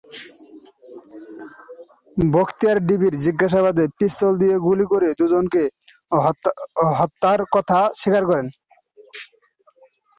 বখতিয়ার ডিবির জিজ্ঞাসাবাদে পিস্তল দিয়ে গুলি করে দুজনকে হত্যার কথা স্বীকার করেন।